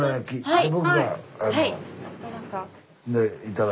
⁉はい。